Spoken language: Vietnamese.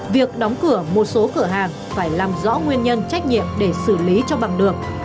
việc đóng cửa một số cửa hàng phải làm rõ nguyên nhân trách nhiệm để xử lý cho bằng được